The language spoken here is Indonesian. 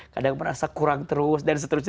kadang merasa kurang terus